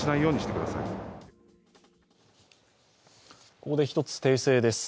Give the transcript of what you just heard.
ここで１つ訂正です。